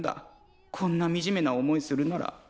こんなみじめな思いするなら。